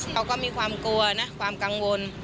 เขาก็มีความกลัวนะความกังวล